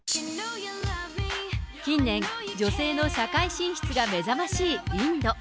近年、女性の社会進出が目覚ましいインド。